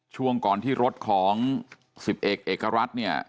ช่วงก่อนที่รถของ๑๐เอกเอกรัฐเนี่ย